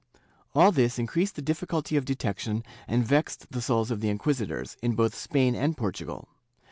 ^ All this increased the difficulty of detection and vexed the souls of the inquisitors, in both Spain and Portugal.